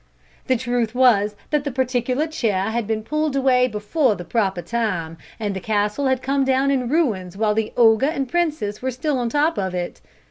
"The truth was that the particular chair had been pulled away before the proper time, and the castle had come down in ruins while the ogre and princess were still on the top of it.